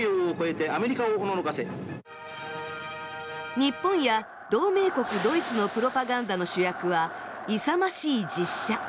日本や同盟国ドイツのプロパガンダの主役は勇ましい実写。